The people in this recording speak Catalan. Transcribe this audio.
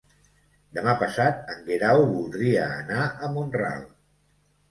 Demà passat en Guerau voldria anar a Mont-ral.